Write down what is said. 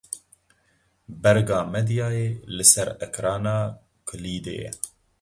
Berga medyayê li ser ekrana kilîdê ye.